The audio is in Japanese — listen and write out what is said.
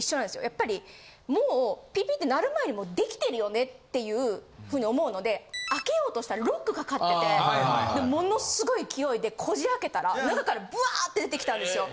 やっぱりもうピピって鳴る前にできてるよねっていうふうに思うので開けようとしたらロックかかっててでものすごい勢いでこじ開けたら中からブワーってでてきたんですよ。